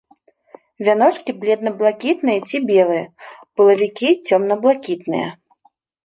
Вяночкі бледна-блакітныя ці белыя, пылавікі цёмна-блакітныя.